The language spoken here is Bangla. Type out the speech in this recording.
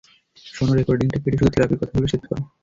শোন, রেকর্ডিংটা কেটে শুধু থেরাপির কথা গুলো সেভ কর।